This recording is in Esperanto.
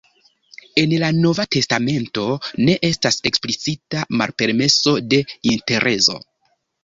En la nova testamento ne estas eksplicita malpermeso de interezo.